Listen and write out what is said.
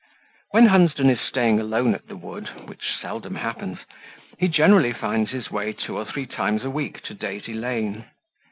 When Hunsden is staying alone at the Wood (which seldom happens) he generally finds his way two or three times a week to Daisy Lane.